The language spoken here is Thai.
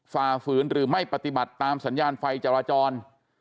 ฝ่าฝืนหรือไม่ปฏิบัติตามสัญญาณไฟจราจร